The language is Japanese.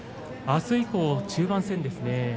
あす以降中盤戦ですね。